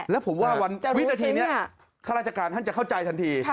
แล้วผมว่าวินาทีนี้ข้าราชการท่านจะเข้าใจทันที